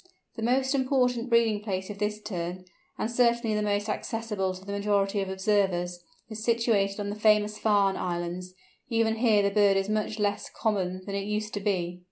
The most important breeding place of this Tern, and certainly the most accessible to the majority of observers, is situated on the famous Farne Islands; even here the bird is much less common than it used to be.